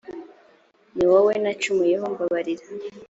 ni wowe nacumuyeho mbabarira.